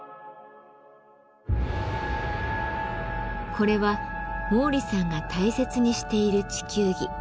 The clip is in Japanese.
これは毛利さんが大切にしている地球儀。